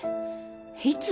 いつ？